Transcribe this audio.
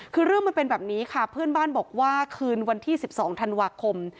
คือเรื่องมันเป็นแบบนี้ค่ะเพื่อนบ้านบอกว่าคืนวันที่๑๒ธันวาคม